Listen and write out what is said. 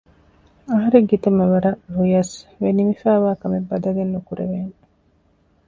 އަހަރެން ކިތަންމެ ވަރަށް ރުޔަސް ވެނިމިފައިވާ ކަމެއް ބަދަލެއް ނުކުރެވޭނެ